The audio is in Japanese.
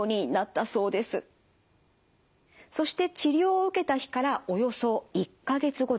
そして治療を受けた日からおよそ１か月後ですね